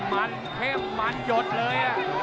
มันเข้มมันหยดเลย